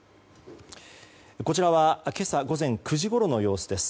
こちらは今朝、午前９時ごろの様子です。